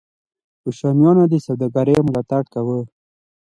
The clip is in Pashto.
کوشانیانو د سوداګرۍ ملاتړ کاوه